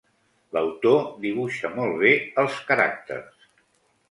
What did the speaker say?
L'autor dibuixa molt bé els caràcters.